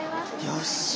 よっしゃ！